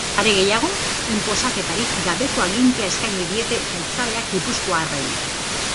Are gehiago, inposaketarik gabeko agintea eskaini diete jeltzaleek gipuzkoarrei.